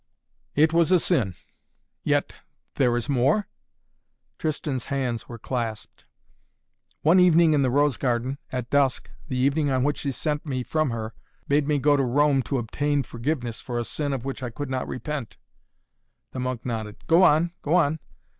"It was a sin. Yet there is more?" Tristan's hands were clasped. "One evening in the rose garden at dusk the evening on which she sent me from her bade me go to Rome to obtain forgiveness for a sin of which I could not repent." The monk nodded. "Go on! Go on!"